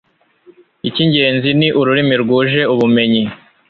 icy'ingenzi ni ururimi rwuje ubumenyi